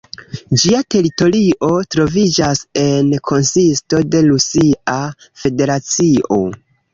Ĝia teritorio troviĝas en konsisto de Rusia Federacio.